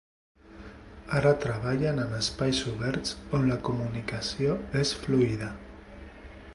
Ara treballen en espais oberts on la comunicació és fluida.